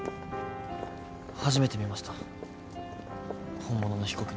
初めて見ました本物の被告人。